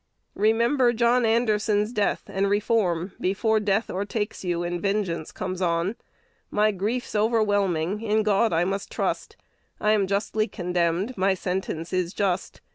"Remember John Anderson's death, and reform Before death overtakes you, and vengeance comes on. My grief's overwhelming; in God I must trust: I am justly condemned; my sentence is just.